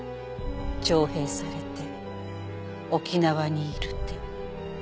徴兵されて沖縄にいるって。